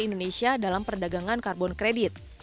indonesia dalam perdagangan karbon kredit